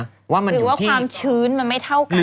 หรือว่าความชื้นมันไม่เท่ากันนะคุณแม่